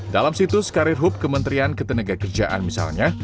dalam situs karir hub kementerian ketenagakerjaan misalnya